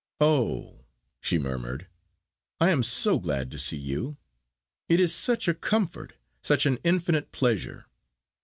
"Oh," she murmured, "I am so glad to see you; it is such a comfort, such an infinite pleasure."